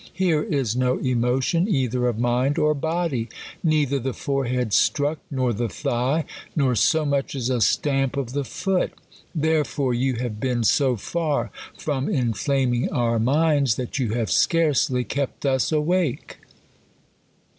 Here is no emotion either of mind or body; neither the forehead struck, nor the thigh; nor so much as a stamp of the foot. Therefore, you have been so far from inflaming our minds, that you have scarcely kept us awake.''